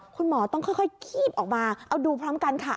คุณหมอต้องค่อยคีบออกมาเอาดูพร้อมกันค่ะ